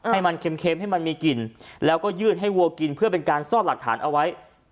ให้มันเค็มให้มันมีกลิ่นแล้วก็ยืดให้วัวกินเพื่อเป็นการซ่อนหลักฐานเอาไว้